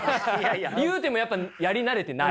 言うてもやっぱやり慣れてない。